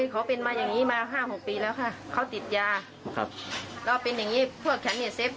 เขามีขู่ขู่ฆ่าขู่อะไรไหม